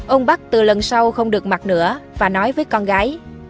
ông bắc từ lần sau không được mặc nữa và nói với con gái